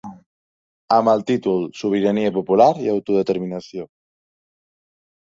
Amb el títol Sobirania popular i autodeterminació.